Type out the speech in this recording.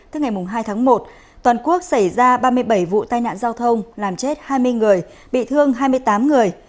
tức ngày hai tháng một toàn quốc xảy ra ba mươi bảy vụ tai nạn giao thông làm chết hai mươi người bị thương hai mươi tám người